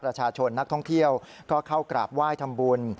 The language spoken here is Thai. ประชาชนนักท่องเที่ยวก็เข้ากราบไหว้ทำบุญ